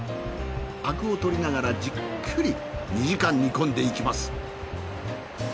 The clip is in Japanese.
アクを取りながらじっくり２時間煮込んでいきます。